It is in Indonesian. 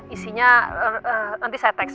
isinya nanti saya teks